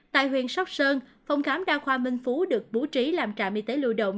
tại huyện sóc sơn phòng khám đa khoa minh phú được bố trí làm trạm y tế lưu động